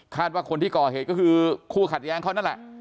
ว่าคนที่ก่อเหตุก็คือคู่ขัดแย้งเขานั่นแหละ